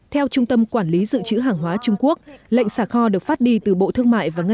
theo trung tâm quản lý dự trữ hàng hóa trung quốc lệnh xả kho được phát đi từ bộ thương mại và ngân hàng